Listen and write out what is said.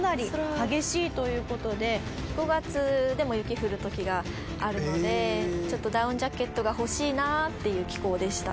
５月でも雪降る時があるのでちょっとダウンジャケットが欲しいなっていう気候でした。